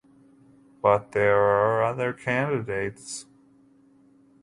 But there are other candidates.